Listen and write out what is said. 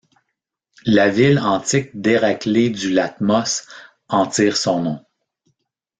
La ville antique d'Héraclée du Latmos en tire son nom.